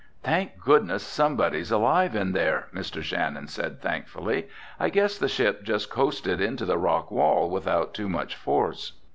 "Thank goodness somebody's alive in there!" Mr. Shannon said thankfully. "I guess the ship just coasted into the rock wall without too much force."